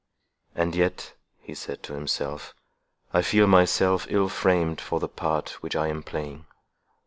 "And yet," he said to himself, "I feel myself ill framed for the part which I am playing.